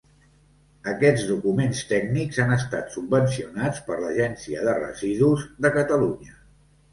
Aquests documents tècnics han estat subvencionats per l'Agència de Residus de Catalunya.